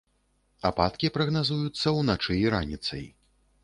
Ападкі прагназуюцца ўначы і раніцай.